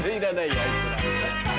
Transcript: あいつら。